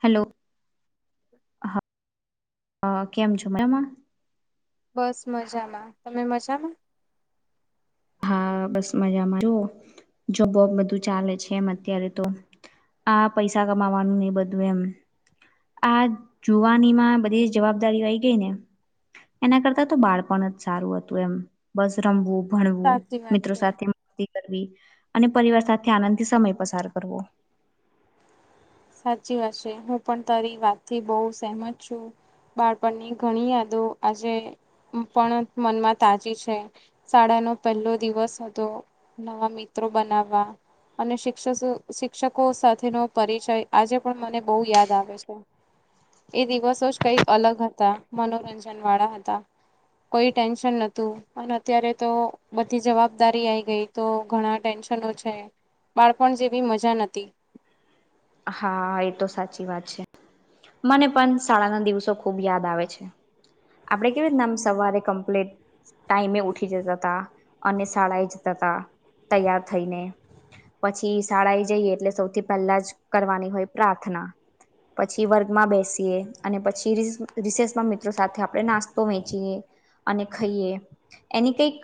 હાલો હા, હ કેમ છો? મજામાં બસ મજામાં, તમે મજામાં? હા બસ મજામાં જો-જો બો બધું ચાલે છે એમ અત્યારે તો. હા પૈસા કમાવાનું ને એ બધું એમ. આ જુવાની માં બધી જવાબદારીઓ આઈ ગઈ ને. એના કરતા તો બાળપણ જ સારું હતું એમ બસ રમવું ભણવું સાચી વાત મિત્રો છે સાથે અમ [unintelligible] કરી અને પરિવાર સાથે આનંદથી સમય પસાર કરવો. સાચી વાત છે હું પણ તારી વાતથી બો સહેમત છું બાળપણની ઘણી યાદો આજે અમ પણ મનમાં તાજી છે, શાળા નો પેલો દિવસ હતો, નવા મિત્રો બનાવવા અને શિક્ષસો શિક્ષકો સાથેનો પરિચય આજે પણ મને બહુ યાદ આવે છે. એ દિવસો જ કઈક અલગ હતા, મનોરંજન વાળા હતા કોઈ ટેન્શન નતું, અન અત્યારે તો બધી જવાબદારી આઈ ગઈ, તો ઘણા ટેન્ છનો છે, બાળપણ જેવી મજા નતી. હા, એ તો સાચી વાત છે. મને પણ શાળાના દિવસો ખુબ યાદ આવે છે. આપડે કેવી રીતના આમ સવારે કમપ્લીટ ટાઈમે ઉઠી જતા તા, અને શાળાએ જતા તા તૈયાર થઈને. પછી શાળાએ જઈએ એટલે સૌથી પહેલા જ કરવાની હોય પ્રાર્થના. પછી વર્ગમાં બેસીએ અને પછી રિઞ રિસેસમાં મિત્રો સાથે આ આપળે નાસ્તો વેચીએ અને ખાઈએ, એની કંઈક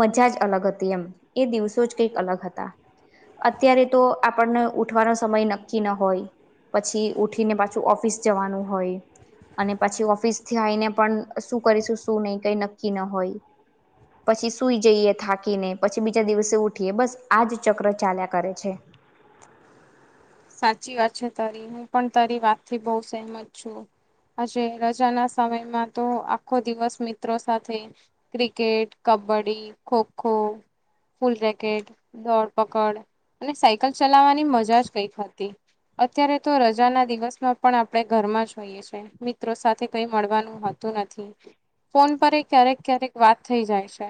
મજા જ અલગ હતી એમ એ દિવસો જ કઈક અલગ હતા. [inaudible] અત્યારે તો આપણને ઉઠવાનો સમય નક્કી ન હોય પછી ઉઠીને પાછું ઓફિસ જવાનું હોય અને પછી ઓફિસ થી આઈને પણ શું કરીશું શું નહી કઈ નક્કી ન હોય પછી સુઈ જઈએ થાકીને, પછી બીજા દિવસે ઉઠીએ બસ આજ ચક્ર ચાલ્યા કરે છે. સાચી વાત છે તારી હું પણ તારી વાતથી બો સેમત છું. આજે રજા ના સમયમાં તો આખો દિવસ મિત્રો સાથે ક્રિકેટ ક બ્ડી, ખોખો ફૂલ રેકેટ, દોડપકડ અને સાયકલ ચલાવાની મજા જ કંઈક હતી અત્યારે તો રજા ના દિવસમાં પણ આપળે ઘરમાં હોઈએ છે, મિત્રો સાથે કઈ મળવાનું હતું નથી ફોન પર એ ક્યારેક-ક્યારેક વાત થઈ જાય છે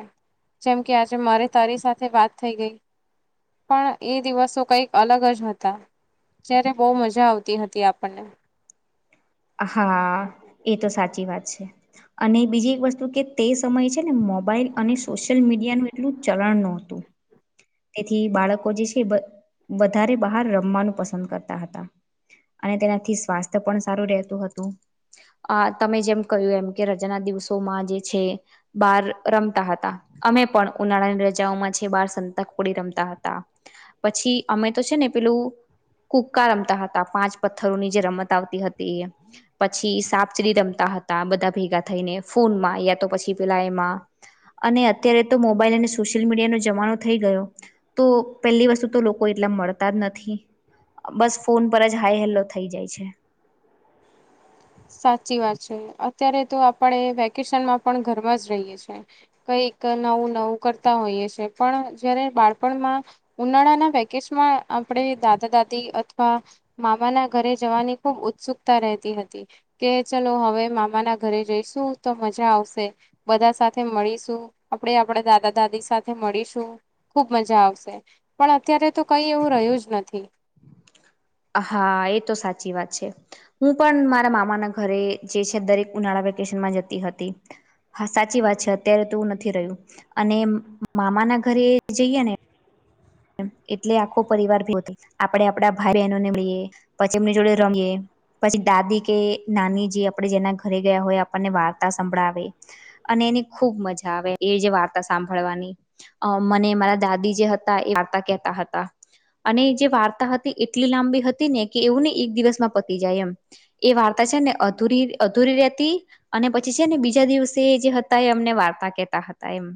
જેમ કે આજે મારે તારી સાથે વાત થેય ગય. પણ એ દિવસો કઈક અલગ જ હ તા જ્યારે બો મજા આવતી હતી આપણને. હા એ તો સાચી વાત છે, અને બીજી એક વસ્તુ કે તેસ સમય છેને મોબાઈલ અને સોશિયલ મીડિયાનું એટલું ચલણ નોતું. તેથી બાળકો જે છે વ વધારે બહાર રમવાનું પસંદ કરતા હતા. અને તેનાથી સ્વાસ્થ્ય પણ સારું રેતું હતું અ તમે જેમ કયું એમ કે રજાના દિ દિવસોમાં જે છે બાર રમતા હતા અમે પણ ઉનાળાની રજાઓમાં છે બાર સં તા કુકડી રમતા હતા પછી અમે તો છે ને પેલું કુક્કા રમતા હતા પાંચ પથ્થરો ની જે રમત આવતી હતી એ, પછી સાપસીડી રમતા હતા બધા ભેગા થઈને ફોનમાં યા તો પછી પેલા એમાં અને અત્યારે તો મોબાઈલ અને સોશિયલ મીડિયાનો જમાનો થઈ ગયો તો પેલી વસ્તુ તો લોકો એટલા મળતા જ નથી બસ ફોન પર જ હાઈ હેલ્લો થઈ જાય છે. [inaudible] સાચી વાત છે અત્યારે તો આપણે વેકેશનમાં પણ ઘરમાં જ રહીએ છે કઈક નવું નવું કરતા હોઈએ છે પણ જયારે બાળપણમાં ઉનાળાના વેકેશન માં આપણે દાદા દાદી અથવા મામાના ઘરે જવાની ખૂબ ઉત્સુકતા રહેતી હતી કે ચલો હવે મામાના ઘરે જઈશું તો મજા આવશે બધા સાથે મળીશું આપણે આપણેે દાદા દાદી સાથે મળીશું ખુબ મજા આવશે પણ અત્યારે તો કઈ એવું રહ્યું જ નથી હા એ તો સાચી વાત છે હું પણ મારા મામાના ઘરે જે છે દરેક ઉનાળા વેકેશનામાં જતી હતી હા સાચી વાત છે અત્યારે તો નથી રહ્યું અને મામાના ઘરે જઈએ ને એટલે આખો પરિવાર ભી આપડે આપડા ભાઈ બહેનોને મળીએ પછી એમની જોડે રમીએ પછી દાદી કે નાની જે આપણે જેના ઘરે ગયા હોય આપણને વાર્તા સંભળાવે અને એની ખુબ મજા આવે એ જે વાર્તા સાંભળવાની અ મને મારા દાદી જે હતા તે વાર્તા કહેતા હતા અને જે વાર્તા હતી એટલી લાંબી હતી ને કે એવું નહી એક દિવસમાં પતી જાય એમ એ વાર્તા ને અધૂરી અધુરી રહેતી અને પછી છે ને બીજા દિવસે જે હતા એ અમને વાર્તા કેતા એમ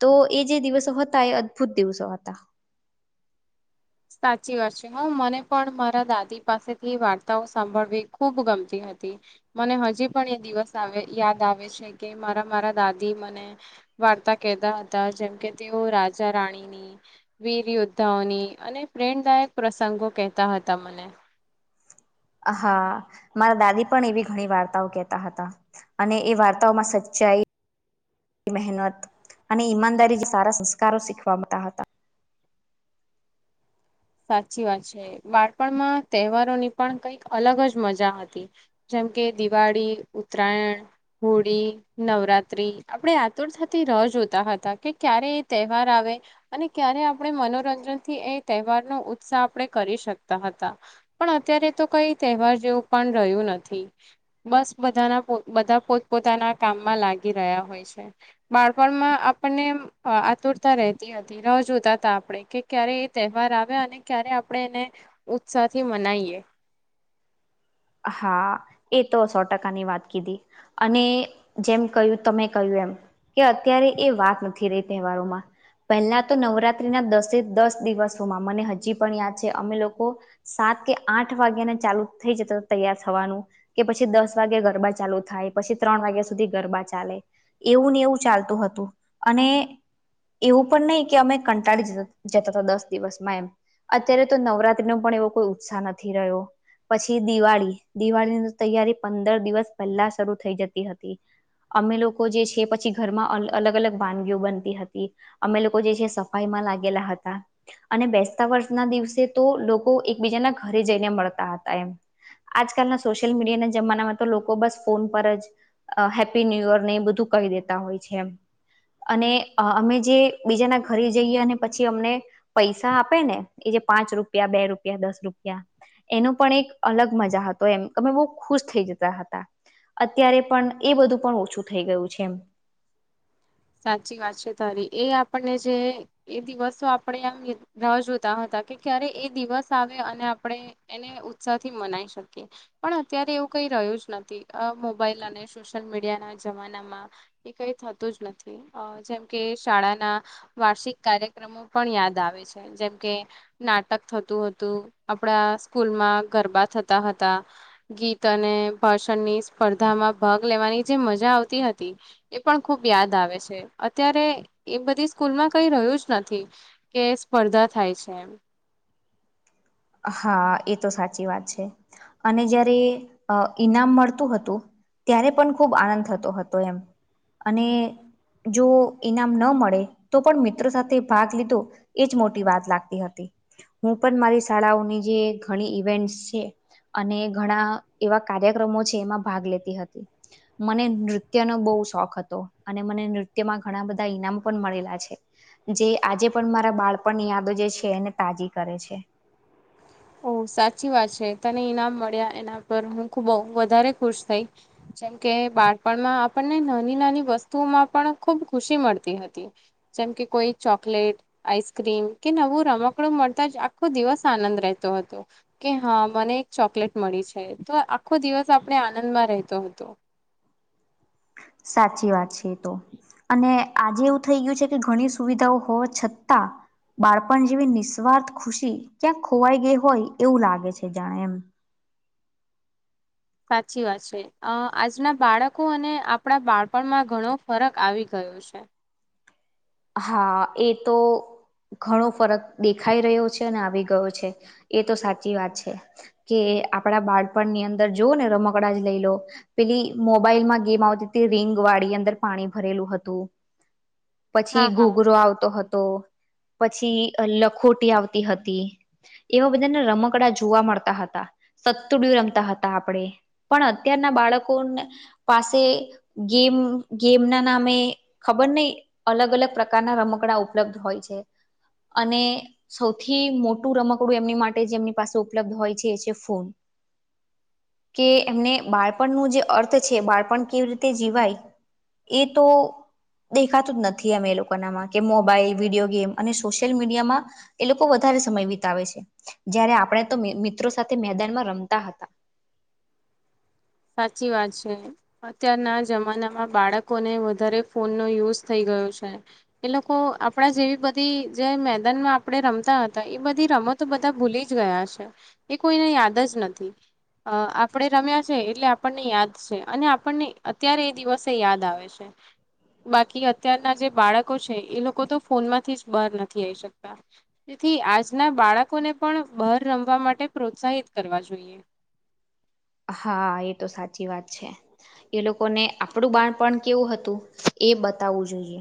તો એ જે દિવસો હતા એ અદભુત દિવસો હતા [inaudible] સાચી વાત છે હું મને પણ મારા દાદી પાસેથી વાર્તાઓ સાંભળવી ખુબ ગમતી હતી હતી મને હજી પણ એ દિવસ આવે યાદ આવે છે કે મારા મારા દાદી મને વાર્તા કહેતા હતા જેમકે તેઓ રાજા રાણીની વીર યોદ્ધાઓની અને પ્રેરદાયક પ્રસંગો કહેતા હતા મને હા મારા દાદી પણ એવી ઘણી વાર્તાઓ કેહેતા હતા અને એ વાર્તાઓમાં સચ્ચાઈ [inaudible] મહેનત અને ઈમાનદારીથી સારા સંસ્કારો શીખવાતા હતા સાચી વાત છે બાળપણમાં તહેવારોની પણ કઈક અલગ જ મજા હતી જેમ કે દિવાળી ઉત્તરાયણ હોળી નવરાત્રી આપણે આતુર થઈ રાહ જોતા હતા કે ક્યારે એ તહેવાર આવે અને ક્યારે આપણે મનોરંજન થી એ તહેવાર નો ઉત્સાહ આપણે કરી શકતા હતા પણ અત્યારે તો કઈ તહેવાર જેવું પણ રહ્યું નથી બસ બધાના બધા પોત પોતાના કામમાં લાગી રહ્યા હોય છે બાળપણ બાળપણ આપણે આતુરતા રતી હતી ર જોતા હતા આપણે કે ક્યારે એ તહેવાર અને ક્યારે આપણે એને ઉત્સાહથી મનાઈએ હા એ તો સો ટકા ની વાત કીધી અને જેમ કહ્યું તમે કહ્યું એમ કે અત્યારે એ વાત નથી રહી તહેવારોમાં પહેલા તો નવરાત્રી ના દસે દસ દિવસોમાં મને હજી પણ યાદ છે અમે લોકો સાત સાત કે આઠ વાગ્યા ને ચાલુ થઈ જતો તૈયાર થવાનું કે પછી દસ વાગે ગરબા ચાલુ થાય પછી ત્રણ વાગ્યા સુધી ગરબા ચાલે એવું ને એવું ચાલતું હતું અને એવું પણ નહીં કે અમે કંટાળી જતા હતા દસ દિવસમાં એમ અત્યારે તો નવરાત્રી ના પણ એવો કોઈ ઉત્સાહ નથી રહ્યો પછી દિવાળી દિવાળીની તૈયારી પંદર દિવસ પહેલા શરૂથઈ જતી હતી અમે લોકો જે છે પછી ઘરમાં અલગ અલગ વાનગીઓ બનતી હતી અમે લોકો જે છે સફાઈ સફાઈમાં લાગેલા હતા અને બેસતા વર્ષ ના દિવસે તો લોકો એકબીજાના ઘરે જઈને મળતા હતા હતા એમ આજકાલના સોશિયલ મીડિયાના જમાનામાં તો લોકો બસ ફોન પર જ હેપી ન્યુ યર ને એ બધું કહિ કહી દેતા હોય છે એમ અને અમે જે બીજાના ઘરે જઈએ અને પછી અમને પૈસા આપે ને ઍ પાંચ રૂપિયા બે રૂપિયા દસ રૂપિયા એનું પણ એક અલગ મજા હતો એમ અમે બહુ ખુશ થઇ જતા હતા અત્યારે પણ એ બધું પણ ઓછું થઈ ગયું છે એમ સાચી વાત છે તારી એ આપણને જે એ દિવસો આપણે આમ રા જોતા હતા ક્યારે એ દિવસ આવે અને આપણે એને ઉત્સાહ થી મનાવી શકીએ પણ અત્યારે એવું કઈ રહ્યું જ નથી આ મોબાઈલ અને સોશ્યલ મીડિયા ના જમાનામાં એ કઈ થતું જ નથી જેમ કે શાળાના વાર્ષિક કાર્યક્રમો પણ યાદ આવે છે જેમ કે નાટક થતું હતું આપડા સ્કૂલ માં ગરબા થતા હતા ગીત અને ભાષણની સ્પર્ધામાં ભાગ લેવાની જે મજા આવતી હતી એ પણ ખુબ યાદ આવે છે અત્યારે એ બધી સ્કૂલમાં કઈ રહ્યું જ નથી કે સ્પર્ધા થાય છે એમ હા એ તો સાચી વાત છે અને જયારે ઈનામ મળતું હતું ત્યારે પણ ખૂબ આનંદ થતો હતો એમ અને જો ઈનામ ન મળે તો પણ મિત્રો સાથે ભાગ લીધો એજ મોટી વાત લાગતી હતી હું પણ મારી શાળાઓની જે ઘણી ઈવેન્ટસ છે અને ઘણા એવા કાર્યક્રમો છે એમાં ભાગ લેતી હતી મને નૃત્યનો બહુ શોખ હતો અને મને નૃત્યમાં ઘણા બધા ઈનામ પણ મળેલા છે જે આજે પણ મારા બાળપણની યાદો જે છે એને તાજી કરે છે ઓહ સાચી વાત છે તને ઈનામ મળ્યા એના પર હું ખુબ વધારે ખુશ થઈ જેમકે બાળપણમાં આપણને નાની નાની વસ્તુઓમાં પણ ખુબ ખુશી મળતી હતી જેમ કે કોઈ ચોકલેટ આઈસક્રીમ કે નવું રમકડું મળતા જ આખો દિવસ આનંદ રહે રહતો હતો કે હા મને એક ચોકલેટ મળી છે તો આખો દિવસ આપણે આનંદમાં રહેતો હતો તો સાચી વાત છે એ તો અને આજે એવું થઈ ગયું છે કે ઘણી સુવિધાઓ હોવા છતાં બાળપણ જેવી નિસ્વાર્થ ખુશી ક્યાંક ખોવાઈ ગઈ હોય એવું લાગે છે જાણે એમ સાચી વાત છે અ આજના બાળકો અને આપણા બાળપણમાં ઘણો ફરક આવી ગયો થયું છે હા એ તો ઘણો ફરક દેખાઈ રહ્યો છે અને આવી ગયો છે એ તો સાચી વાત છે કે આપડા બાળપણની અંદર જો ને રમકડા જ લઈ લો પેલી મોબાઈલ માં ગેમ આવતી રિંગ વાડી અંદર પાણી ભરેલું હતું હા પછી હા. ઘોગરો આવતો હતો પછી લખોટી આવતી હતી એવા બધાને રમકડા જોવા મળતા હતા સત્તુડ રમતા હતા આપણે પણ અત્યારના બાળકો પાસે ગમ ગેમ ના નામે ખબર નહી અલગ અલગ પ્રકારના રમકડા ઉપલબ્ધ હોય છે અને સૌથી મોટું રમકડું એમની માટે જેમની પાસે ઉપલબ્ધ હોય છે એ છે ફોન કે એમને બાળપણનું જે અર્થ છે બાળપણ કેવી રીતે જીવાય એ તો દે દેખાતું જ નથી એ લોકોમાં કે મોબાઈલ વિડીયો ગેમ અને સોશિયલ મીડિયામાં એ લોકો વધારે સમય વીતાવે છે જયારે આપણે તો મિત્રો સાથે મેદાનમાં રમતા હતા [inaudible] સાચી વાત છે. અત્યારના જમાનામાં બાળકોને વધારે ફોન નો યુઝ થઈ ગયો છે. એ લોકો આપણા જેવી બધી જે મેદાનમાં આપણે રમતા હતા એ બધી રમ હવે તો બધા ભૂલી જ ગયા છે. એ કોઈને યાદ જ નથી. અહ આપણેે રમ્યા છે એટલે આપણને યાદ છે, અને આપણને અત્યારે એ દિવસે યાદ આવે છે. બાકી અત્યારના જે બાળકો છે એ લોકો તો ફોન માંથી જ બહાર નથી આવી શકતા. થી આજના બાળકોને પણ બહર રમવા માટે પ્રોત્સાહિત કરવા જોઈએ. [inaudible] હા એ તો સાચી વાત છે. એ લોકોને આપણું બાળપણ કેવું હતું એ બતાવવું જોઈએ.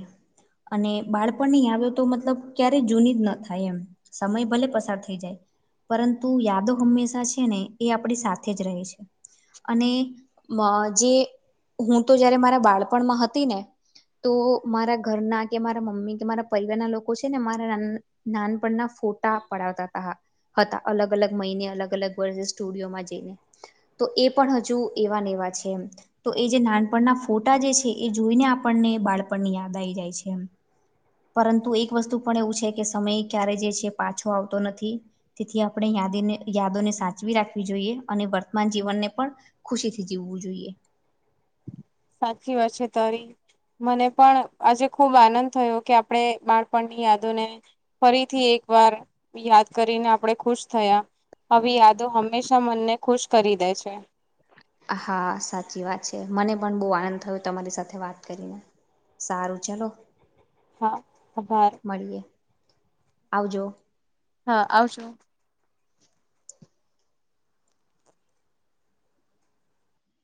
અને બાળપણ ની આવ્યો તો મતલબ ક્યારેય જૂની જ ન થાય એમ, સમય ભલે પસાર થઈ જાય. પરંતુ યાદો હંમેશા છે ને એ આપણી સાથે જ રહે છે. અને મ જે હું તો જયારે મારા બાળપણમાં હતી ને તો મારા ઘરના કે મારા મમ્મી કે મારા પરિવારના લોકો છે ને મારા નન નાનપણના ફોટા પડાવતા તા હતા, અલગ-અલગ મહિને અલગ-અલગ વર્ષે સ્ટુડિયોમાં જઈને. તો એ પણ હજુ એવાને એવા છે એમ. તો એ જે નાનપણના ફોટા જે છે એ જોઈને આપણને બાળપણની યાદ આવી જાય છે એમ. પરંતુ એક વસ્તુ પણ એવું છે કે સમય ક્યારે જે છે પાછો આવતો નથી. તેથી આપણે અહિંયા યાદીને યાદોને સાચવી રાખવી જોઈએ અને વર મા જીવનને પણ ખુશી થી જીવવું જોઈએ સાચી વાત છે તારી મને પણ આજે ખુબ આનંદ થયો કે આપણે બાળપણની યાદોને ફરીથી એક એક વાર યાદ કરીને આપણેે ખુશ થયા આવી યાદો હંમેશા મનને ખુશ કરી દે છે. હા સાચી વાત છે. મને પણ બહુ આનંદ થયો તમારી સાથે વાત કરીને. સારું ચલો. હા, આભાર. મળીએ આવજો. હા આવજો.